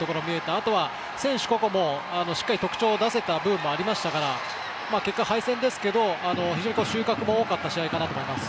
あとは選手個々もしっかり特長を出せた部分もありますから結果、敗戦ですけど非常に収穫も多かった試合かと思います。